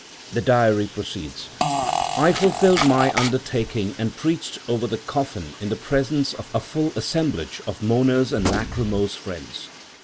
The diary proceeds: "I fulfilled my undertaking and preached over the coffin in the presence of a full assemblage of mourners and lachrymose friends.